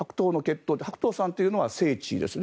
白頭山というのは聖地ですね。